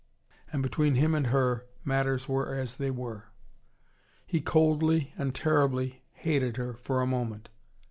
And between him and her matters were as they were. He coldly and terribly hated her, for a moment.